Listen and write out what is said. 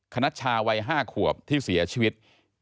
คณัชชาวัย๕ขวบที่เสียชีวิต